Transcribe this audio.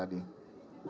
jadi pak pada saat